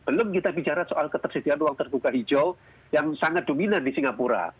belum kita bicara soal ketersediaan ruang terbuka hijau yang sangat dominan di singapura